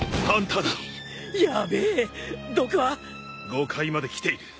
５階まで来ている。